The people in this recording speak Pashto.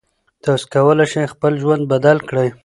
تاسو کولی شئ خپل ژوند بدل کړئ.